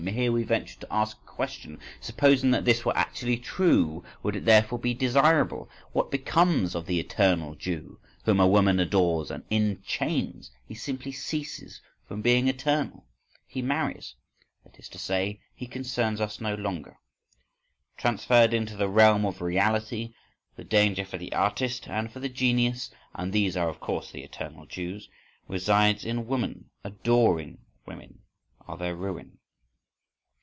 Here we venture to ask a question. Supposing that this were actually true, would it therefore be desirable?—What becomes of the "eternal Jew" whom a woman adores and enchains? He simply ceases from being eternal, he marries,—that is to say, he concerns us no longer.—Transferred into the realm of reality, the danger for the artist and for the genius—and these are of course the "eternal Jews"—resides in woman: adoring women are their ruin.